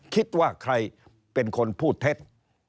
คิดว่าใครเป็นคนพูดเท็จ